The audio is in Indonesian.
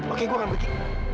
oke gue akan pergi